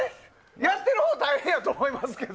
やっているほうは大変やと思いますけど。